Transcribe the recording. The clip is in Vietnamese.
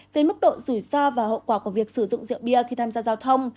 về mức độ rủi ro và hậu quả của việc sử dụng rượu bia khi tham gia giao thông